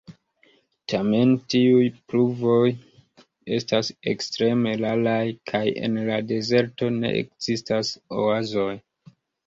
Tamen tiuj pluvoj estas ekstreme raraj, kaj en la dezerto ne ekzistas oazoj.